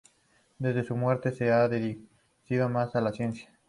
Desde su muerte, se ha dedicado más a la ciencia.